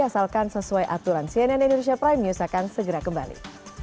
asalkan sesuai aturan cnn indonesia prime news akan segera kembali